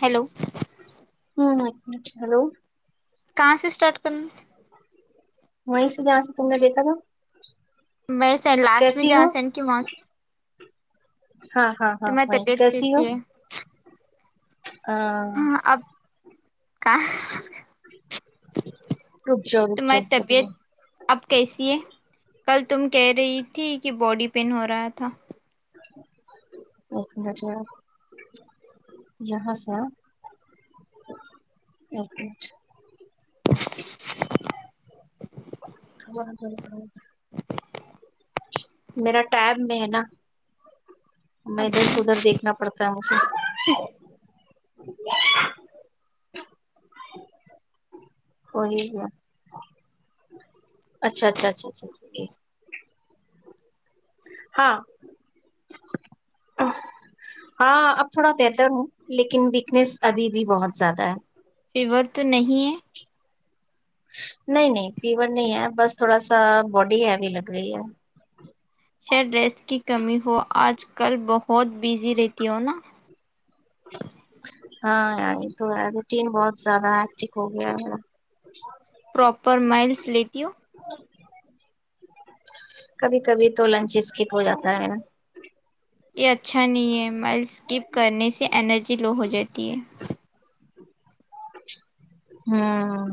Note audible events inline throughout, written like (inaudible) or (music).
hello ہوں hello کہاں سے اسٹارٹ کرنا وہیں سے جہاں سے تم نے دیکھا تھا ویسے لاسٹ میں کیسی جہاں ہو سے سنڈ کی وہاں سے ہاں ہاں ہاں تمہاری بھائی طبیعت کیسی ہو ہے ہاں کہاں سے رک جاؤ رک جاؤ تمہاری رک طبیعت جاؤ اب کیسی ہے کل تم کہہ رہی تھی کہ باڈی پین ہو رہا تھا ایک مٹ یہاں سے (unintelligible) اوکے اچھا (unintelligible) میرا ٹائب میں ہے نا میں اب ادھر سے ادھر دیکھنا پڑتا ہے مجھے ہوی گیا اچھا اچھا اچھا اچھا ہاں ہاں اب تھوڑا بیٹر ہوں لیکن ویکنیس ابھی بھی بہت زیادہ ہے فیور تو نہیں ہے نہیں نہیں فیور نہیں ہے بس تھوڑا سا باڈی ہیوی لگ رہی ہے خیر ریسٹ کی کمی ہو آج کل بہت بزی رہتی ہو نا ہاں یہ تو ہے روٹین بہت زیادہ ہیکٹک ہو گیا ہے پراپر مائلس لیتی ہوں کبھی کبھی تو لنچ اسکپ ہو جاتا ہے نا یہ اچھا نہیں ہے مائلس اسکپ کرنے سے انرجی لو ہو جاتی ہے ہاں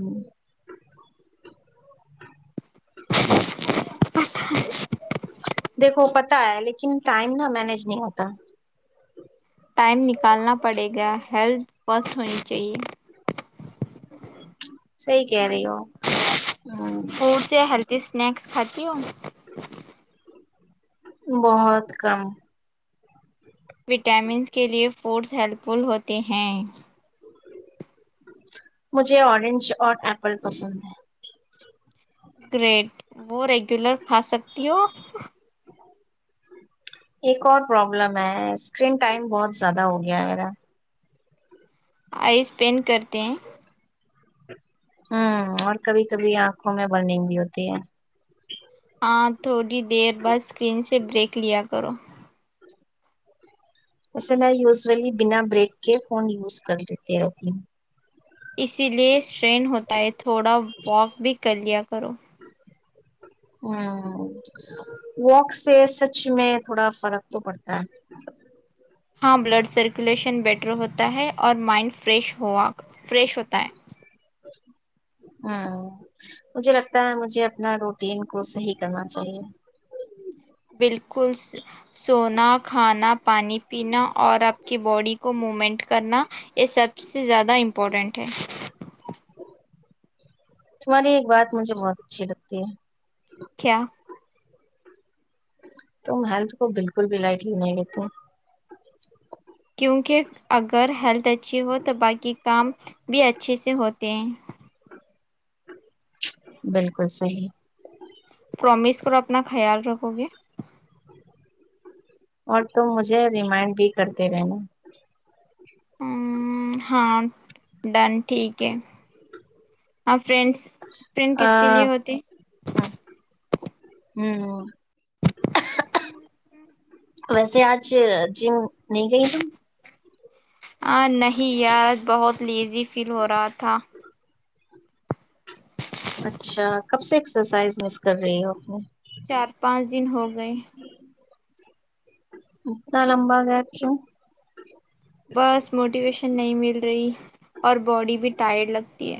(inaudible) دیکھو پتا ہے لیکن ٹائم نا مینج نہیں ہوتا ٹائم نکالنا پڑے گا ہیلتھ فرسٹ ہونی چاہیے صحیح کہہ رہی ہو ہوں فوڈ سے ہیلدی اسنیکس کھاتی ہو بہت کم وٹامنس کے لیے فوڈز ہیلپ فل ہوتے ہیں مجھے اورنج اور ایپل پسند ہے گریٹ وہ ریگولر کھا سکتی ہو ایک اور پرابلم ہے اسکرین ٹائم بہت زیادہ ہو گیا میرا آئس پین کرتے ہیں ہوں اور کبھی کبھی آنکھوں میں برننگ بھی ہوتی ہے ہاں تھوڑی دیر بس اسکرین سے بریک لیا کرو ویسے میں یوزلی بنا بریک کے فون یوز کر لیتی رہتی ہوں اسی لیے اسٹرین ہوتا ہے تھوڑا واک بھی کر لیا کرو ہمم واک سے سچ میں تھوڑا فرق تو پڑتا ہے ہاں بلڈ سرکولیشن بیٹر ہوتا ہے اور مائنڈ فریش ہوا فریش ہوتا ہے ہمم مجھے لگتا ہے مجھے اپنا روٹین کو صحیح کرنا چاہیے بالکل س سونا کھانا پانی پینا اور آپ کی باڈی کو مومینٹ کرنا یہ سب سے زیادہ امپورٹنٹ ہے تمہاری ایک بات مجھے بہت اچھی لگتی ہے کیا تم ہیلتھ کو بالکل بھی لائٹلی نہیں لیتی کیونکہ اگر ہیلتھ اچھی ہو تو باقی کام بھی اچھے سے ہوتے ہیں بالکل صحیح پرومس کرو اپنا خیال رکھو گے اور تم مجھے ریمائنڈ بھی کرتے رہنا ہمممم ہاں ڈن ٹھیک ہے ہاں فرینڈز آ ہمم ہمم ویسے آج جم نہیں گئی تم آ نہیں یار بہت لیزی فیل ہو رہا تھا اچھا کب سے ایکسرسائز مس کر رہی ہو اپنے چار پانچ دن ہو گئے اتنا لمبا گیپ کیو بس موٹیویشن نہیں مل رہی اور باڈی بھی ٹائرڈ لگتی ہے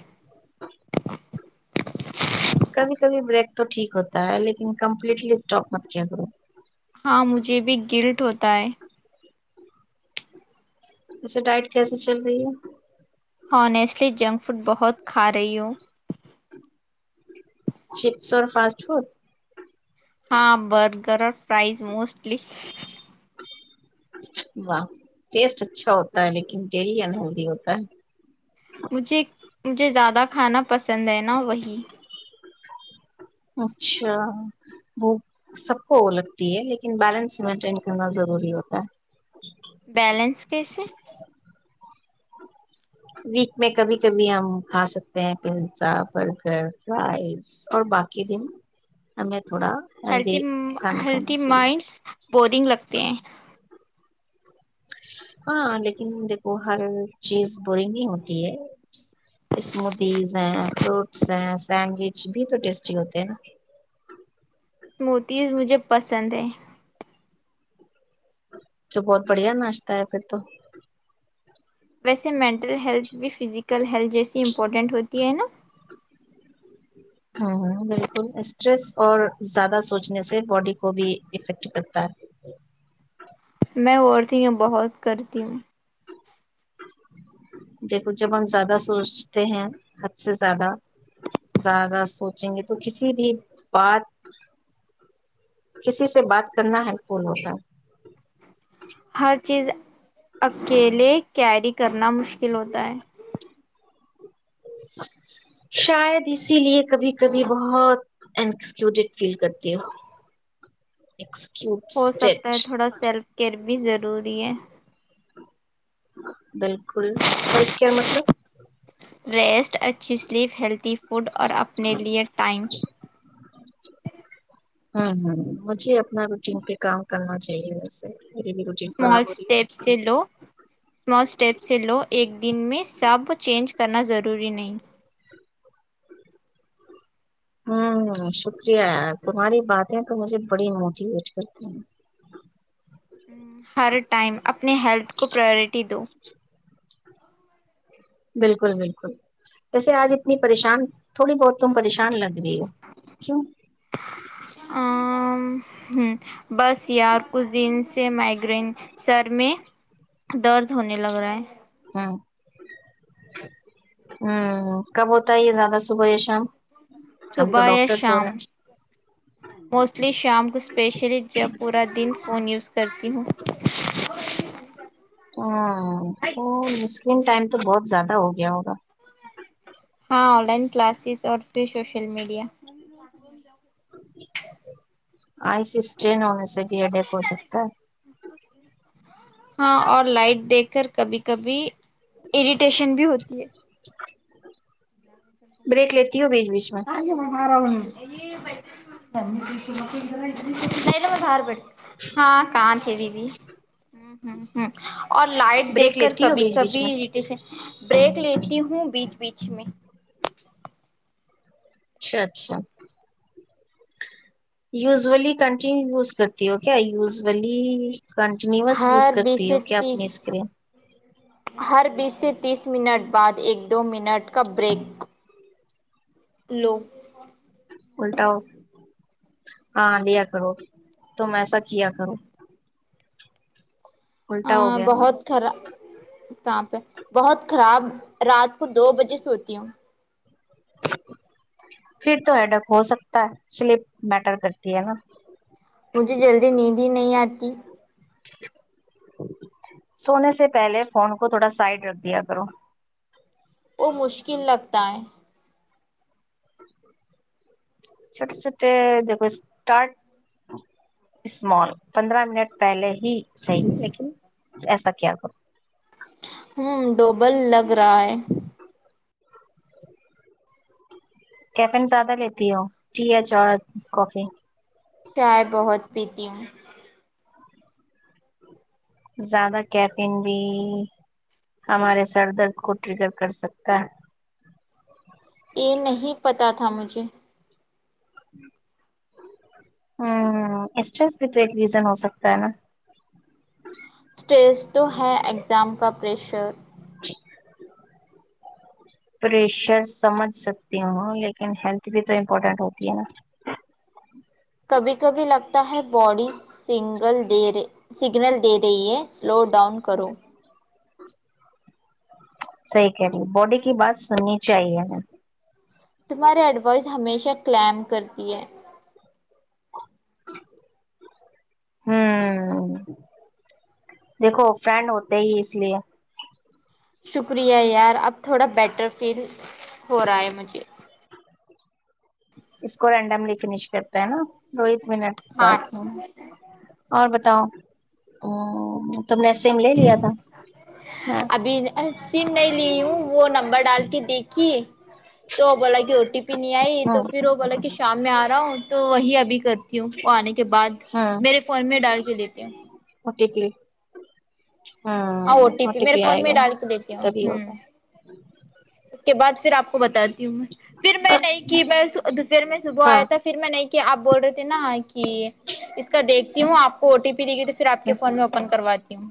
کبھی کبھی بریک تو ٹھیک ہوتا ہے لیکن کمپلیٹلی اسٹاپ مت کیا کرو ہاں مجھے بھی گلٹ ہوتا ہے ویسے ڈائٹ کیسے چل رہی ہے ہنیسٹلی جنک فوڈ بہت کھا رہی ہوں چپس اور فاسٹ فوڈ ہاں برگر اور فرائز موسٹلی واہ ٹیسٹ اچھا ہوتا ہے لیکن ڈیلی ان ہیلدی ہوتا ہے مجھے مجھے زیادہ کھانا پسند ہے نا وہی اچھا وہ سب کو وہ لگتی ہے لیکن بیلنس مینٹین کرنا ضروری ہوتا ہے بیلنس کیسے ویک میں کبھی کبھی ہم کھا سکتے ہیں پیزا برگر فرائز اور باقی دن ہمیں تھوڑا ہیلدی ہیلتم کھانا کھانا ہیلتھم چاہیے مائنڈس بورنگ لگتے ہیں ہاں لیکن دیکھو ہر چیز بورنگ ہی ہوتی ہے اسموتیز ہیں فروٹس ہیں سینڈوچ بھی تو ٹیسٹی ہوتے ہیں نا اسموتیز مجھے پسند ہیں تو بہت بڑھیا ناشتا ہے پھر تو ویسے مینٹل ہیلتھ بھی فزیکل ہیلتھ جیسی امپورٹنٹ ہوتی ہے نا ہمم ہمم بالکل اسٹریس اور زیادہ سوچنے سے باڈی کو بھی افیکٹ کرتا ہے میں اوورتھنگے بہت کرتی ہوں دیکھو جب ہم زیادہ سوچتے ہیں حد سے زیادہ زیادہ سوچیں گے تو کسی بھی بات کسی سے بات کرنا ہیلپفل ہوتا ہے ہر چیز اکیلے کیری کرنا مشکل ہوتا ہے شاید اسی لیے کبھی کبھی بہت انسکیوڈ فیل کرتی ہو ایکسکیو ہو سکتا ہے تھوڑا سیلف کیئر بھی ضروری ہے بالکل سیلف کیئر مطلب ریسٹ اچھی سلیپ ہیلدھی فوڈ اور اپنے لیئے ٹائم ہمم ہمم مجھے اپنا روٹین پے کام کرنا چاہیے بس میری بھی روٹین خراب ہوری ہے سیلو اسٹیپ سے لو ایک دن میں ساب چینج کرنا ضروری نہیں آمم شکریہ تمہاری باتیں تو مجھے بڑی موٹیویٹ کرتی ہیں ہر ٹائم اپنے ہیلتھ کو پراورٹی دو بالکل بالکل ویسے آج اتنی پریشان تھوڑی بہت تم پریشان لگ کیوں بس یار کچھ دن سے مائگرین سر میں درد ہونے لگ رہا ہے ہمم ہمم کب ہوتا ہے یے زیادہ صبح یا شام ہم تو صبح یا ڈاکٹرس ہو شام رہے ہیں موسٹلی شام کو اسپیشلی جب پورا دن فون یوز کرتی ہوں تو سکرین ٹائم تو بہت زیادہ ہو گیا ہوگا ہاں آن لائن کلاسیز اور فیر سوشل میڈیا آئیسی اسٹریین ہونے سے بھی حے ڈیک ہو سکتا ہے ہاں اور لائٹ دیکھ کر کبھی کبھی اریٹیشن بھی ہوتی ہے بریک لیتی ہو بیج بیچ میں نہیں تو میں بہار بیٹھ ہاں (unintelligible) ہمم ہمم اور لائٹ دیکھ بریک کر لیتی ہو کبھی بیچ بیچ کبھی میں اریٹیشن بریک لیتی ہوں بیچ بیچ میں اچھا اچھا یوزولی کنٹینیو یوز کرتی ہو کیا یوزولی کنٹینیوس یوز ہر کرتی بیس سے ہو کیا اپنی تیس اسکرین ہر بیس سے تیس منٹ بعد ایک دو منٹ کا بریک لو الٹا ہو ہاں لیا کرو تم ایسا کیا کرو ہ الٹا ہو گیا ہمارا بہت خراب کہاں پے بہت خراب رات کو دو بجے سوتی ہوں پھر تو ہیڈک ہو سکتا ہے سلیپ میٹر کرتی ہے نا مجھے جلدی نیند ہی نہیں آتی سونے سے پہلے فون کو تھوڑا سائڈ رکھ دیا کرو وہ مشکل لگتا ہے چھوٹ چھوٹے دیکھو اسٹارٹ اسمال پندرہ منٹ پہلے ہی صحیح لیکن ایسا کیا کروں ہمم ڈوبل لگ رہا ہے کیفین زیادہ لیتی ہو ٹی یا چاے کافی چائے بہت پیتی ہوں زیادہ کیفن بھی ہمارے سر درد کو ٹرگر کر سکتا ہے یہ نہیں پتہ تھا مجھے سٹریس بھی تو ایک ریزن ہو سکتا ہے نا اسٹیج تو ہے اگزام کا پریشر ج پریشر سمجھ سکتی ہوں لیکن ہیلتھ بھی تو امپورٹینٹ ہوتی ہے نا کبھی کبھی لگتا ہے باڈیز سنگل دےرے سگنل دے رہی ہے سلو ڈاؤن کرو صحیح کہہ رہی باڈی کی بات سننی چاہیے نا تمہاریے ایڈوائس ہمیشہ کلیم کرتی ہے ہمم دیکھو فرینڈ ہوتے ہی اس لیے شکریہ یار اب تھوڑا بیٹر فیل ہو رہا ہے مجھے اس کو رینڈملی فش کرتا ہے نا دو ایک منٹ ہاں اور بتاؤ تم نے سم لے لیا تھا ابھی سم نہیں لی ہوں وہ نمبر ڈال کے دیکھیے تو بولا کہ او ٹی پی نہیں آئی ہ تو پھر وہ بولا کہ شام میں آ رہا ہوں تو وہی ابھی کر تی ہوں اور آنے کے بعد میرے فون میں ڈال کے لیتی ہوں ا ٹی پی ہاں او ٹی میرے پی آئے فون میں گا ڈال کے لیتی ہوں تبھی ہوگا ہوں اس کے بعد پھر آپ کو بتاتی ہوں میں پھر میں نہیں کی میں دوپہر میں صبح آیا ہاں تھا پھر میں نہیں کیا آپ بول رہے تھے نا کہ اس کا دیکھتی ہوں آپ او ٹییے گی تو پھر آپ فون میں اوپن کرواتی ہوں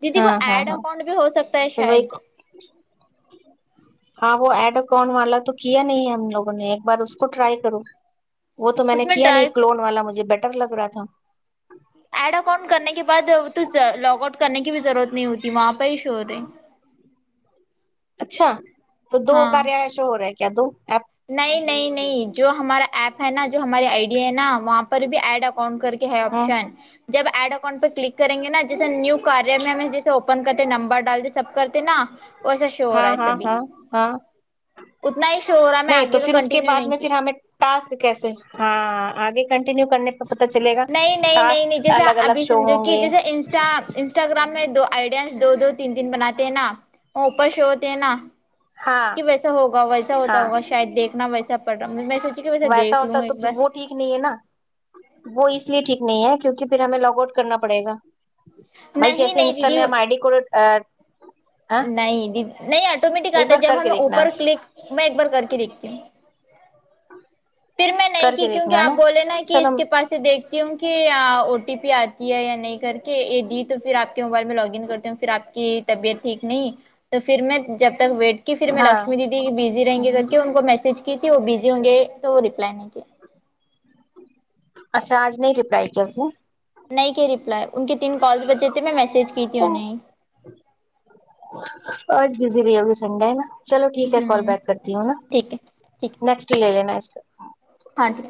دیدی وہ ہاں ہاں ایڈ ہاں اکاؤنٹ بھی ہو سکتا ہے پھر وہی شاید ہاں وہ ایڈ اکن والا تو کیا نہیں ہے ہم لوگوں نے ایک بار اس کو ٹرائی کروں وہ تو میں نے اس کیا نہیں ٹرائی کلون والا مجھے بیٹر لگ رہا تھا ایڈ اکاؤنٹ کرنے کے بعد تو لوگ آؤٹ کرنے کی بھی ضرورت نہیں ہوتی وہاں پرہ ہی شو رہے اچھا تو دو ہاں کاش ہو رہا ہے کیا دو ایپ نہیں نہیں نہیں جو ہمارا ایپ ہے نا جو ہماری آئی ڈی ہے نا وہاں پر بھی ایڈ اکاؤنٹ کر کیا ہے ہاں آپشن جب ایڈ اکاؤنٹ پہ کلک کریں گے نا جیسے نیو کاریہ میں ہمیں جیسے اوپن کرتے نمبر ڈالتے سب کرتے نا و ایسا شور رہا ہاں ہے ہاں سبھی ہاں ہاں اتنا ہی شور رہا ہے میں آگے کا کنٹینیو نہیں کیا ہم ٹاسک کیسے ہاں آگے کنٹینیو کرنے پی تو پت چلے گا نہیں نہیں نہیں ٹاسک نہیں جیسے الگ ابھی الگ شو سمجھو ہوں کہ گے جیسے انسٹا انسٹاگرام میں دو آئیڈیاز دو دو تین تین بناتے ہیں نا وہ اوپر شو ہوتے ہیں نا ہاں کہ ویسا ہوا ویسا ہوتا ہاں ہوا شاید دیکھنا ویسا پڑ رہا میں سوچی کہ ویسا دیکھ ہوتا لوں ایک بار تو وہ ٹھیک نہیں ہے نا وہ اس لیے ٹھیک نہیں ہے کیونکہ پھر ہمیں لاگ آؤٹ کرنا پڑے گا بھائی نہیں جیسے نہیں انسٹاگرام آئی ڈی کوڈ نہیںی نہیں آٹومیٹک ایک آتا بار جب کر ہم کے دیکھنا اوپر کلک میں ایک بار کر کے دیکھتی ہوں پھر میں نہیں کر کے کی کیونکہ دیکھنا ہے آپ بولے نا کہ اس چلو کے پاس سے دیکھتی ہوں کہ او ٹی پی آتی ہے یا نہیں کر کے یہے دی تو پھر آپ کے موبائل میں لاگ ان کرتی ہوں پھر آپ کی طبیعت ٹھیک نہیں تو پھر میں جب تک ویٹ کہ پھر میں ہاں لکشمی دیدی بزی رہیں گی تو کیوں ان کو میسج کی تھی وہ بزی ہوں گے تو وہ رپلائی نہیں کی اچھا آج نہیں ریپلائی کیا اس نے نہیں کہ رپلائی ان کے تین کالس بچے تھے میں میسج کی تھی انہیں آج بزی رہی ہوگی سنڈے ہے نا چلو ٹھیک ہے کال ہوں بیک کرتی ہوں نا ٹھیک ہے ٹھیک ہے نیکسٹ لے لے نٹ ہاں جی